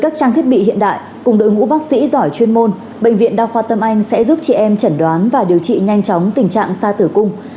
bác sĩ giỏi chuyên môn bệnh viện đa khoa tâm anh sẽ giúp chị em chẩn đoán và điều trị nhanh chóng tình trạng sa tử cung